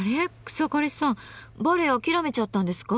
草刈さんバレエ諦めちゃったんですか？